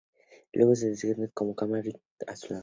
Luego se la ve descansando en la cama, con Rick a su lado.